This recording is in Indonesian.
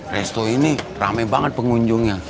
resto ini rame banget pengunjungnya